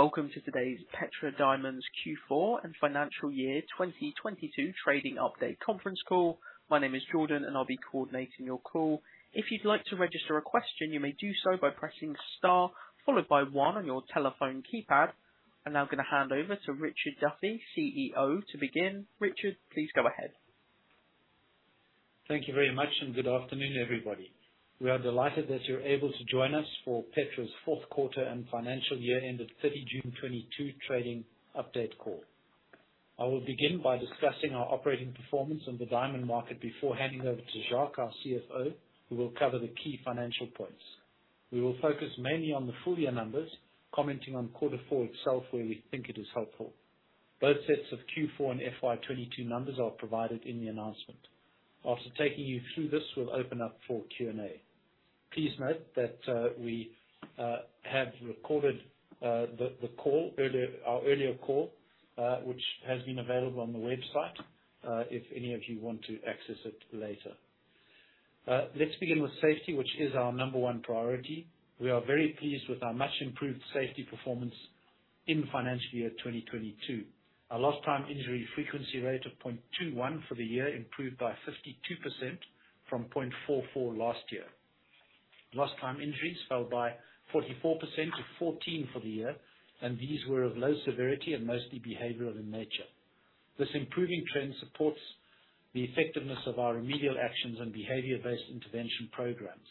Welcome to today's Petra Diamonds Q4 and Financial Year 2022 Trading Update conference call. My name is Jordan, and I'll be coordinating your call. If you'd like to register a question, you may do so by pressing Star followed by one on your telephone keypad. I'm now gonna hand over to Richard Duffy, CEO, to begin. Richard, please go ahead. Thank you very much, and good afternoon, everybody. We are delighted that you're able to join us for Petra's fourth quarter and financial year-end of 30 June 2022 trading update call. I will begin by discussing our operating performance in the diamond market before handing over to Jacques, our CFO, who will cover the key financial points. We will focus mainly on the full year numbers, commenting on quarter four itself where we think it is helpful. Both sets of Q4 and FY 2022 numbers are provided in the announcement. After taking you through this, we'll open up for Q&A. Please note that we have recorded our earlier call, which has been available on the website, if any of you want to access it later. Let's begin with safety, which is our number one priority. We are very pleased with our much improved safety performance in financial year 2022. Our lost time injury frequency rate of 0.21 for the year improved by 52% from 0.44 last year. Lost time injuries fell by 44% to 14 for the year, and these were of low severity and mostly behavioral in nature. This improving trend supports the effectiveness of our remedial actions and behavior-based intervention programs.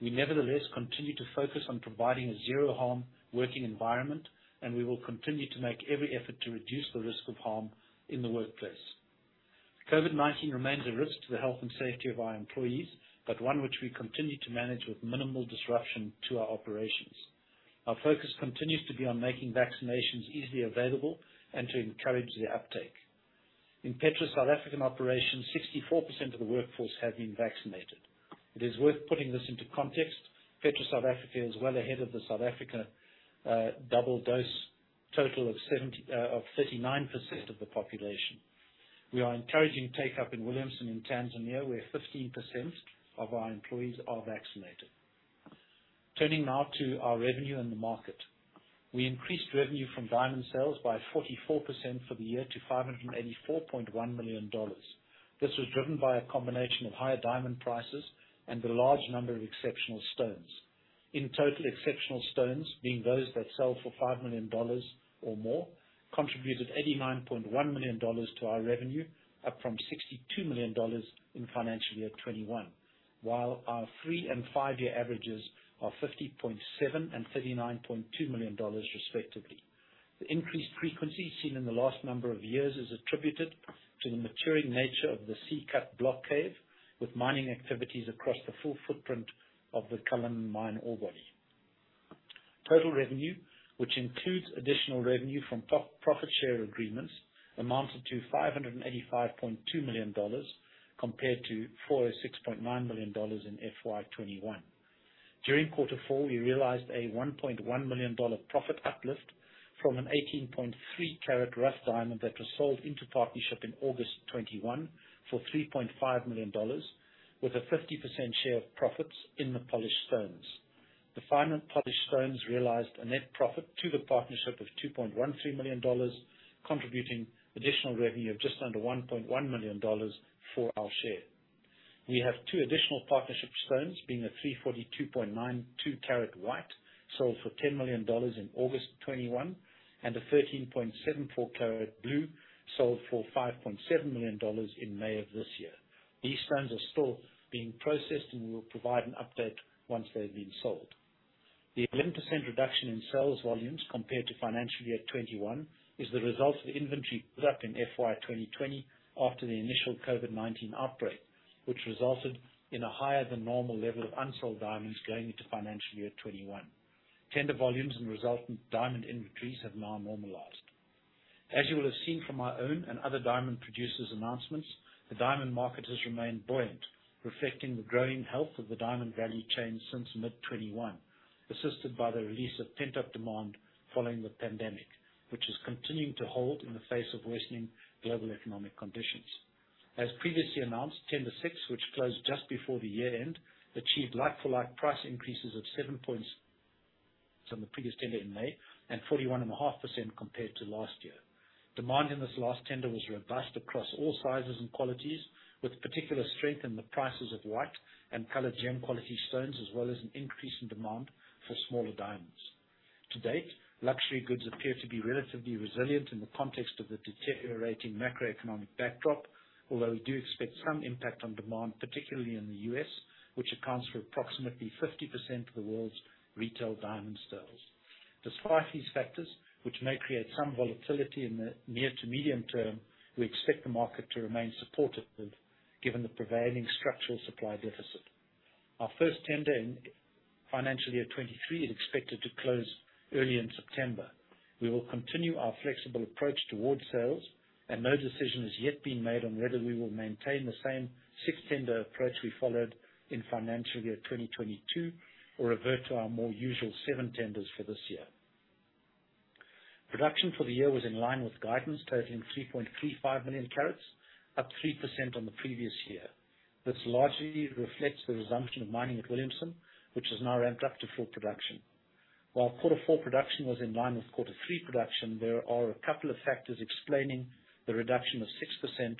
We nevertheless continue to focus on providing a zero harm working environment, and we will continue to make every effort to reduce the risk of harm in the workplace. COVID-19 remains a risk to the health and safety of our employees, but one which we continue to manage with minimal disruption to our operations. Our focus continues to be on making vaccinations easily available and to encourage the uptake. In Petra South Africa operations, 64% of the workforce have been vaccinated. It is worth putting this into context. Petra South Africa is well ahead of the South Africa double dose total of 39% of the population. We are encouraging take-up in Williamson in Tanzania, where 15% of our employees are vaccinated. Turning now to our revenue in the market. We increased revenue from diamond sales by 44% for the year to $584.1 million. This was driven by a combination of higher diamond prices and the large number of exceptional stones. In total exceptional stones, being those that sell for $5 million or more, contributed $89.1 million to our revenue, up from $62 million in financial year 2021. While our three and five year averages are $50.7 million and $39.2 million respectively. The increased frequency seen in the last number of years is attributed to the maturing nature of the C-Cut block cave, with mining activities across the full footprint of the Cullinan mine ore body. Total revenue, which includes additional revenue from profit share agreements, amounted to $585.2 million compared to $456.9 million in FY 2021. During Q4, we realized a $1.1 million profit uplift from an 18.3-carat rough diamond that was sold into partnership in August 2021 for $3.5 million, with a 50% share of profits in the polished stones. The final polished stones realized a net profit to the partnership of $2.13 million, contributing additional revenue of just under $1.1 million for our share. We have two additional partnership stones, being a 342.92-carat white, sold for $10 million in August 2021, and a 13.74-carat blue, sold for $5.7 million in May of this year. These stones are still being processed, and we will provide an update once they've been sold. The 11% reduction in sales volumes compared to financial year 2021 is the result of the inventory built up in FY 2022 after the initial COVID-19 outbreak, which resulted in a higher than normal level of unsold diamonds going into financial year 2021. Tender volumes and resultant diamond inventories have now normalized. As you will have seen from our own and other diamond producers' announcements, the diamond market has remained buoyant, reflecting the growing health of the diamond value chain since mid-2021, assisted by the release of pent-up demand following the pandemic, which is continuing to hold in the face of worsening global economic conditions. As previously announced, tender six, which closed just before the year-end, achieved like-for-like price increases of seven points from the previous tender in May and 41.5% compared to last year. Demand in this last tender was robust across all sizes and qualities, with particular strength in the prices of white and colored gem quality stones, as well as an increase in demand for smaller diamonds. To date, luxury goods appear to be relatively resilient in the context of the deteriorating macroeconomic backdrop, although we do expect some impact on demand, particularly in the U.S., which accounts for approximately 50% of the world's retail diamond sales. Despite these factors, which may create some volatility in the near to medium term, we expect the market to remain supportive given the prevailing structural supply deficit. Our first tender in financial year 2023 is expected to close early in September. We will continue our flexible approach towards sales, and no decision has yet been made on whether we will maintain the same six tender approach we followed in financial year 2022 or revert to our more usual seven tenders for this year. Production for the year was in line with guidance totaling 3.35 million carats, up 3% on the previous year. This largely reflects the resumption of mining at Williamson, which has now ramped up to full production. While quarter four production was in line with quarter three production, there are a couple of factors explaining the reduction of 6%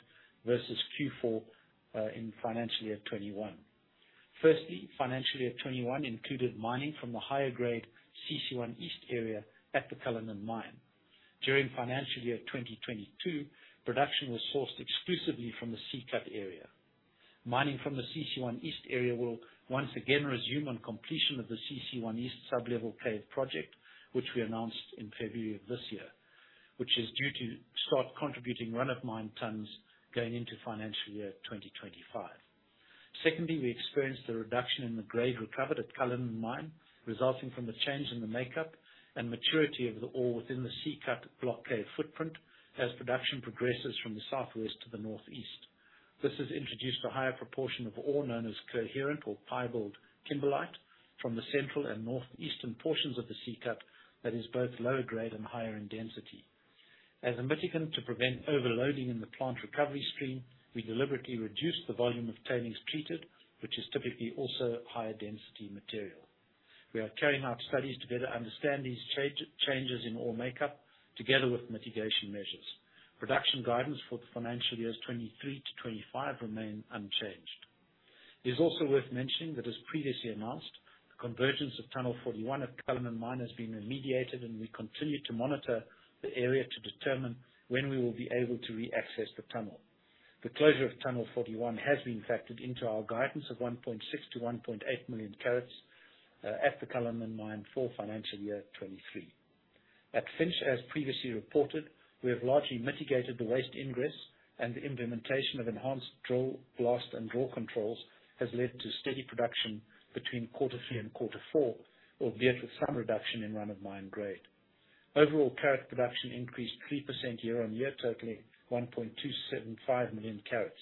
versus Q4 in financial year 2021. Firstly, financial year 2021 included mining from the higher grade CC1 East area at the Cullinan mine. During financial year 2022, production was sourced exclusively from the C-Cut area. Mining from the CC1 East area will once again resume on completion of the CC1 East Sub-level Cave project, which we announced in February of this year, which is due to start contributing run-of-mine tons going into financial year 2025. Secondly, we experienced a reduction in the grade recovered at Cullinan mine, resulting from the change in the makeup and maturity of the ore within the C-Cut block cave footprint as production progresses from the southwest to the northeast. This has introduced a higher proportion of ore known as coherent or pyribol kimberlite from the central and northeastern portions of the C-Cut that is both lower grade and higher in density. As a mitigant to prevent overloading in the plant recovery stream, we deliberately reduced the volume of tailings treated, which is typically also higher density material. We are carrying out studies to better understand these changes in ore makeup together with mitigation measures. Production guidance for the financial years 2023 to 2025 remain unchanged. It is also worth mentioning that as previously announced, the convergence of tunnel forty-one at Cullinan mine has been remediated, and we continue to monitor the area to determine when we will be able to re-access the tunnel. The closure of tunnel forty-one has been factored into our guidance of 1.6-1.8 million carats at the Cullinan mine for financial year 2023. At Finsch, as previously reported, we have largely mitigated the waste ingress and the implementation of enhanced drill, blast, and draw controls has led to steady production between quarter three and quarter four, albeit with some reduction in run-of-mine grade. Overall carat production increased 3% year-over-year, totaling 1.275 million carats.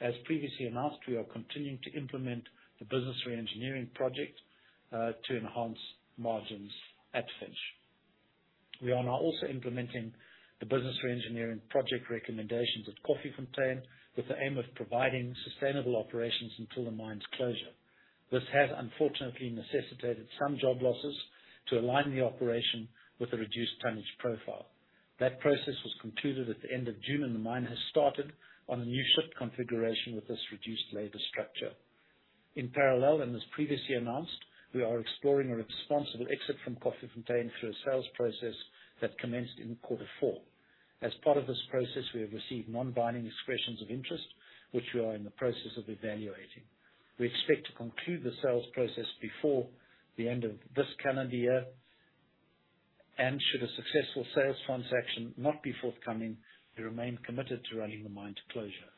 As previously announced, we are continuing to implement the business reengineering project to enhance margins at Finsch. We are now also implementing the business reengineering project recommendations at Koffiefontein, with the aim of providing sustainable operations until the mine's closure. This has unfortunately necessitated some job losses to align the operation with a reduced tonnage profile. That process was concluded at the end of June, and the mine has started on a new shift configuration with this reduced labor structure. In parallel, and as previously announced, we are exploring a responsible exit from Koffiefontein through a sales process that commenced in quarter four. As part of this process, we have received non-binding expressions of interest, which we are in the process of evaluating. We expect to conclude the sales process before the end of this calendar year. Should a successful sales transaction not be forthcoming, we remain committed to running the mine to closure.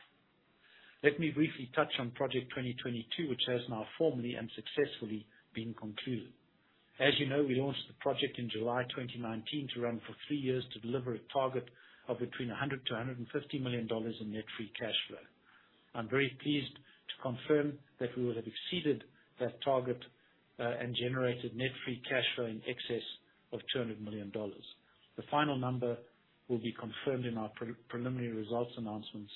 Let me briefly touch on Project 2022, which has now formally and successfully been concluded. As you know, we launched the project in July 2019 to run for three years to deliver a target of between $100 to $150 million in net free cash flow. I'm very pleased to confirm that we will have exceeded that target, and generated net free cash flow in excess of $200 million. The final number will be confirmed in our preliminary results announcement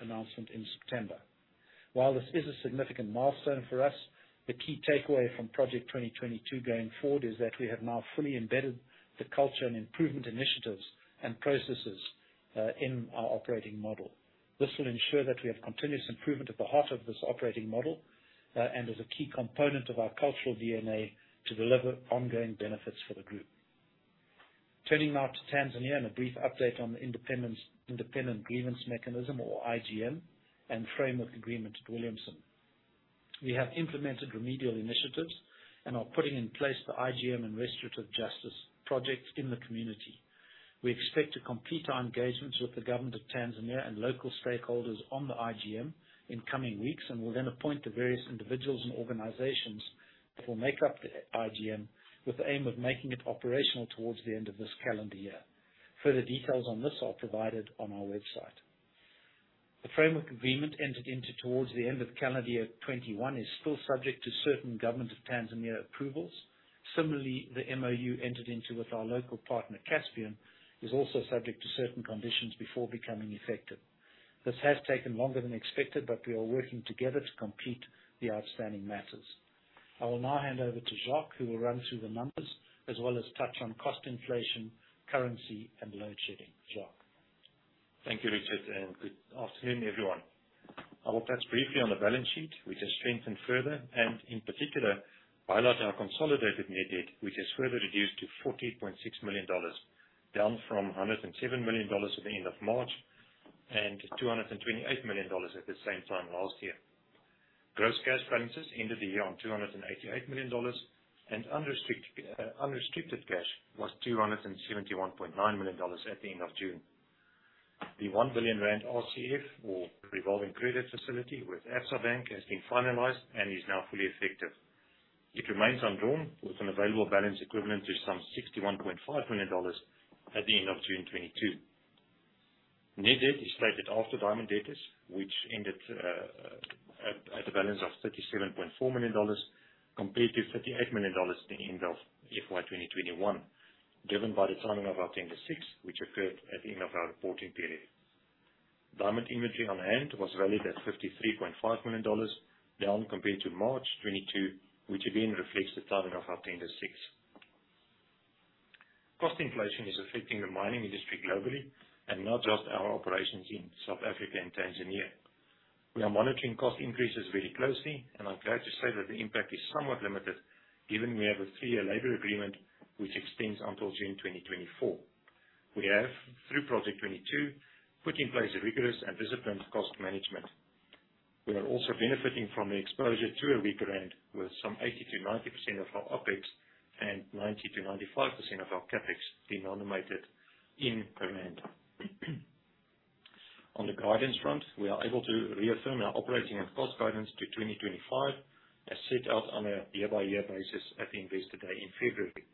in September. While this is a significant milestone for us, the key takeaway from Project 2022 going forward is that we have now fully embedded the culture and improvement initiatives and processes in our operating model. This will ensure that we have continuous improvement at the heart of this operating model, and as a key component of our cultural DNA to deliver ongoing benefits for the group. Turning now to Tanzania and a brief update on the independent grievance mechanism, or IGM, and framework agreement at Williamson. We have implemented remedial initiatives and are putting in place the IGM and restorative justice project in the community. We expect to complete our engagements with the government of Tanzania and local stakeholders on the IGM in coming weeks, and we'll then appoint the various individuals and organizations that will make up the IGM with the aim of making it operational towards the end of this calendar year. Further details on this are provided on our website. The framework agreement entered into towards the end of calendar year 2021 is still subject to certain Government of Tanzania approvals. Similarly, the MoU entered into with our local partner, Caspian, is also subject to certain conditions before becoming effective. This has taken longer than expected, but we are working together to complete the outstanding matters. I will now hand over to Jacques, who will run through the numbers as well as touch on cost inflation, currency, and load shedding. Jacques. Thank you, Richard, and good afternoon, everyone. I will touch briefly on the balance sheet, which has strengthened further and in particular, highlight our consolidated net debt, which has further reduced to $40.6 million, down from $107 million at the end of March and $228 million at the same time last year. Gross cash balances ended the year on $288 million and unrestricted cash was $271.9 million at the end of June. The 1 billion rand RCF or revolving credit facility with Absa Bank has been finalized and is now fully effective. It remains undrawn with an available balance equivalent to some $61.5 million at the end of June 2022. Net debt is stated after diamond debtors, which ended At a balance of $37.4 million compared to $38 million at the end of FY 2021, driven by the timing of our Tender six, which occurred at the end of our reporting period. Diamond inventory on hand was valued at $53.5 million, down compared to March 2022, which again reflects the timing of our Tender six. Cost inflation is affecting the mining industry globally and not just our operations in South Africa and Tanzania. We are monitoring cost increases very closely, and I'm glad to say that the impact is somewhat limited given we have a three year labor agreement which extends until June 2024. We have, through Project 2022, put in place a rigorous and disciplined cost management. We are also benefiting from the exposure to a weak rand with some 80%-90% of our OpEx and 90%-95% of our CapEx denominated in rand. On the guidance front, we are able to reaffirm our operating and cost guidance to 2025 as set out on a year-by-year basis at the Investor Day in February.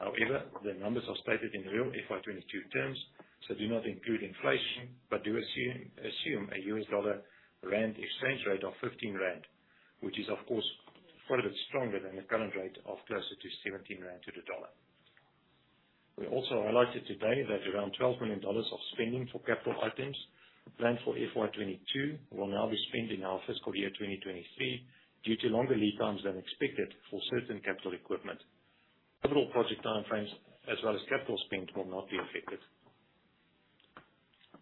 However, the numbers are stated in real FY 2022 terms, so do not include inflation, but do assume a US dollar rand exchange rate of 15 rand, which is, of course, quite a bit stronger than the current rate of closer to 17 rand to the dollar. We also highlighted today that around $12 million of spending for capital items planned for FY 2022 will now be spent in our fiscal year 2023 due to longer lead times than expected for certain capital equipment. Overall project timeframes as well as capital spend will not be affected.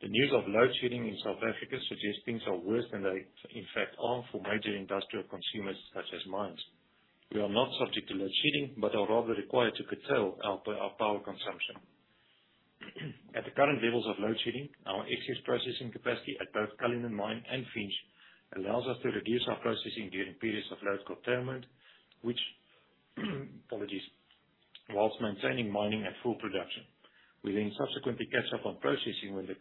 The news of load shedding in South Africa suggests things are worse than they in fact are for major industrial consumers such as mines. We are not subject to load shedding, but are rather required to curtail our power consumption. At the current levels of load shedding, our excess processing capacity at both Cullinan Mine and Finsch allows us to reduce our processing during periods of load curtailment, which, apologies, while maintaining mining at full production. We then subsequently catch up on processing when the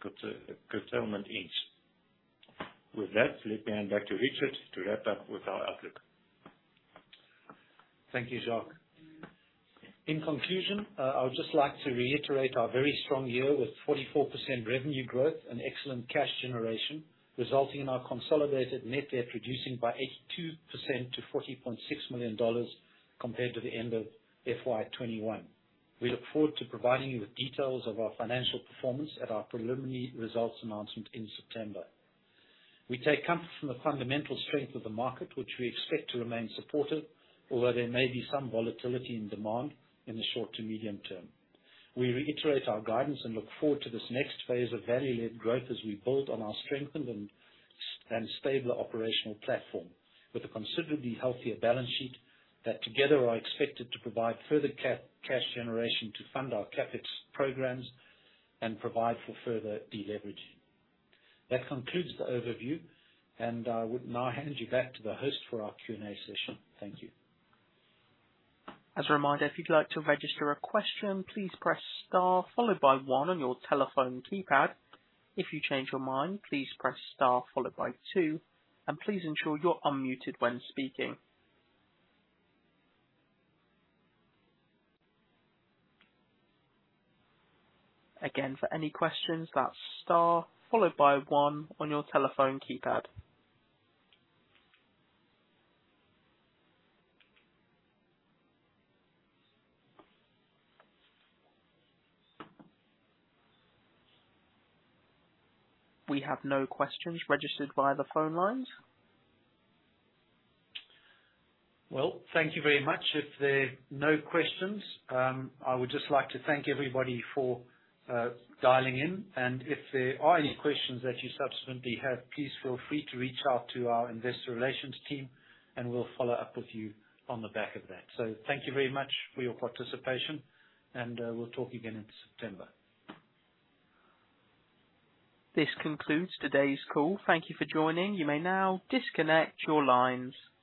curtailment ends. With that, let me hand back to Richard to wrap up with our outlook. Thank you, Jacques. In conclusion, I would just like to reiterate our very strong year with 44% revenue growth and excellent cash generation, resulting in our consolidated net debt reducing by 82% to $40.6 million compared to the end of FY 2021. We look forward to providing you with details of our financial performance at our preliminary results announcement in September. We take comfort from the fundamental strength of the market, which we expect to remain supportive, although there may be some volatility in demand in the short to medium term. We reiterate our guidance and look forward to this next phase of value-led growth as we build on our strengthened and stable operational platform with a considerably healthier balance sheet that together are expected to provide further cash generation to fund our CapEx programs and provide for further deleveraging. That concludes the overview, and I would now hand you back to the host for our Q&A session. Thank you. As a reminder, if you'd like to register a question, please press star followed by one on your telephone keypad. If you change your mind, please press star followed by two. Please ensure you're unmuted when speaking. Again, for any questions, that's star followed by one on your telephone keypad. We have no questions registered via the phone lines. Well, thank you very much. If there are no questions, I would just like to thank everybody for dialing in. If there are any questions that you subsequently have, please feel free to reach out to our investor relations team and we'll follow up with you on the back of that. Thank you very much for your participation and we'll talk again in September. This concludes today's call. Thank you for joining. You may now disconnect your lines.